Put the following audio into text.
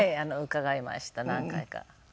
伺いました何回か。